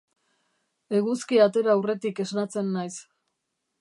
Eguzkia atera aurretik esnatzen naiz.